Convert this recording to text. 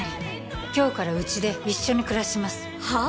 今日からうちで一緒に暮らしますはあ？